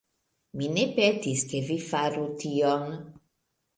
Mi ne petis, ke vi faru tion...